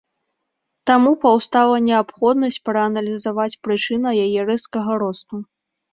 Таму паўстала неабходнасць прааналізаваць прычыну яе рэзкага росту.